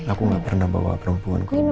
aku gak pernah bawa perempuan ke rumah